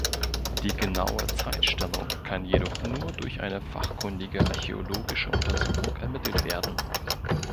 Die genaue Zeitstellung kann jedoch nur durch eine fachkundige archäologische Untersuchung ermittelt werden.